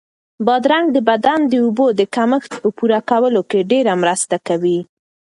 بادرنګ د بدن د اوبو د کمښت په پوره کولو کې ډېره مرسته کوي.